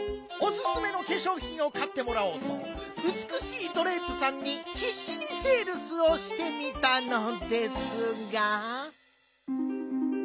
おすすめのけしょうひんをかってもらおうとうつくしいドレープさんにひっしにセールスをしてみたのですが。